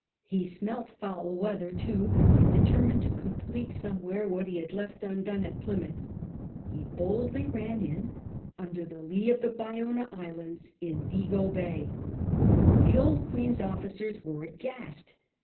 He smelt foul weather, too ; and, determined to complete somewhere what he had left undone at Ply mouth, he boldly ran in under the lee of the Bayona Islands in Vigo Bay. The old Queen's officers were aghast.